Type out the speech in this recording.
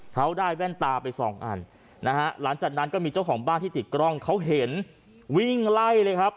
เขาได้แว่นตาไปสองอันนะฮะหลังจากนั้นก็มีเจ้าของบ้านที่ติดกล้องเขาเห็นวิ่งไล่เลยครับ